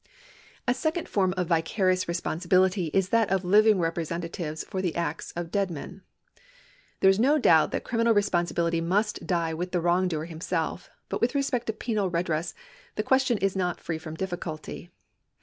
A second form of vicarious responsibility is that of living representatives for the acts of dead men. There is no doubt that criminal responsibility must die with the wrongdoer himself, but with respect to penal redress the question is not free from difficulty.